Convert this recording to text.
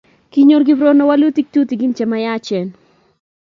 Kinyor Kiprono walutik tutikin che myachen